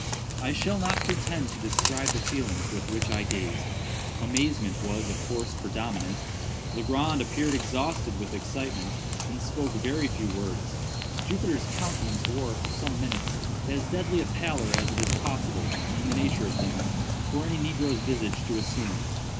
I shall not pretend to describe the feelings with which I gazed. Amazement was, of course, predominant. Legrand appeared exhausted with excitement, and spoke very few words. Jupiter's countenance wore, for some minutes, as deadly a pallor as it is possible, in nature of things, for any negro's visage to assume.